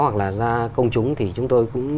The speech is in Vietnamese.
hoặc là ra công chúng thì chúng tôi cũng